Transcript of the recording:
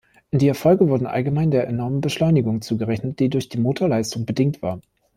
Die Erfolge wurden allgemein der enormen Beschleunigung zugerechnet, die durch die Motorleistung bedingt war.